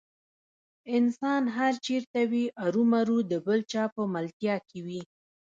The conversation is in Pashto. انسان هر چېرته وي ارومرو د بل چا په ملتیا کې وي.